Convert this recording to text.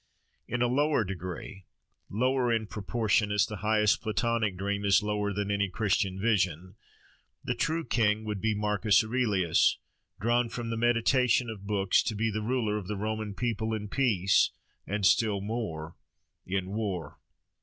In a lower degree (lower, in proportion as the highest Platonic dream is lower than any Christian vision) the true king would be Marcus Aurelius, drawn from the meditation of books, to be the ruler of the Roman people in peace, and still more, in war.